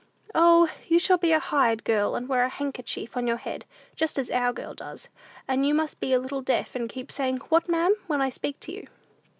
"O, you shall be a hired girl, and wear a handkerchief on your head, just as our girl does; and you must be a little deaf, and keep saying, 'What, ma'am?' when I speak to you."